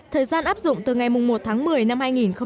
thời gian áp dụng từ ngày một tháng một mươi năm hai nghìn một mươi chín